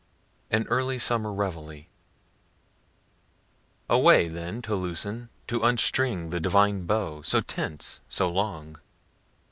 AN EARLY SUMMER REVEILLE Away then to loosen, to unstring the divine bow, so tense, so long.